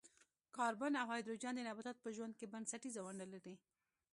کاربن او هایدروجن د نباتاتو په ژوند کې بنسټیزه ونډه لري.